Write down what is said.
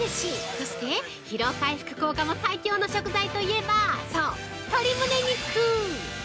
そして疲労回復効果も最強の食材といえばそう、鶏むね肉！